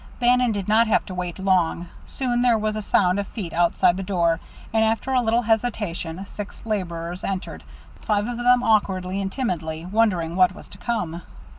Bannon did not have to wait long. Soon there was a sound of feet outside the door, and after a little hesitation, six laborers entered, five of them awkwardly and timidly, wondering what was to come.